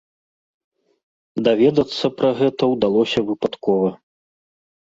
Даведацца пра гэта ўдалося выпадкова.